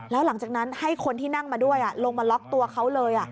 แล้วหลังจากนั้นให้คนที่นั่งมาด้วยลงมาล็อกตัวเขาเลย